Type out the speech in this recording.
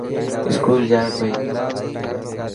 اسڪول جائي پئي.